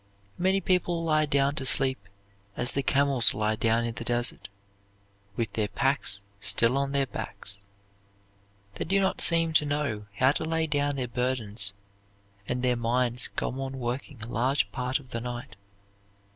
Many people lie down to sleep as the camels lie down in the desert, with their packs still on their backs. They do not seem to know how to lay down their burdens, and their minds go on working a large part of the night.